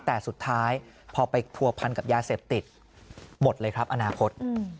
แต่สุดท้ายพอไปผัวพันกับยาเสพติดหมดเลยครับอนาคต